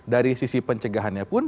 dari sisi pencegahannya pun